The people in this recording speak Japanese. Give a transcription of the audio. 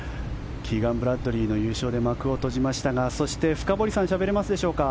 キーガン・ブラッドリーの優勝で幕を閉じましたがそして深堀さんしゃべれますでしょうか。